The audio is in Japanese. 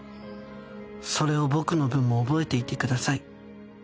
それを僕の分も覚えていてください。